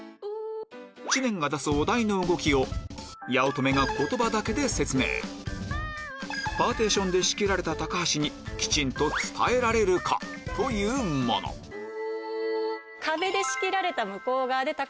知念が出すお題の動きを八乙女が言葉だけで説明パーティションで仕切られた橋にきちんと伝えられるか？というものなるほど！